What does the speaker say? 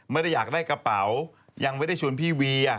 ไม่ได้อยากได้กระเป๋ายังไม่ได้ชวนพี่เวีย